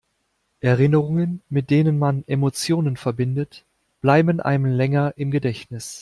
Erinnerungen, mit denen man Emotionen verbindet, bleiben einem länger im Gedächtnis.